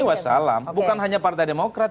wassalam bukan hanya partai demokrat